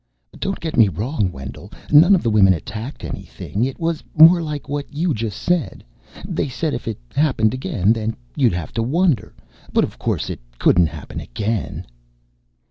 "Don't get me wrong, Wendell. None of the women attacked anything. It was more like what you just said. They said if it happened again, then you'd have to wonder. But of course it couldn't happen again."